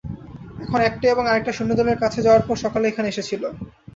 এখন একটা এবং আরেকটা সৈন্যদের কাছে যাওয়ার পর যারা সকালে এখানে এসেছিল।